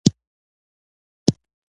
که ژاړې که خاندې زما یې په څه؟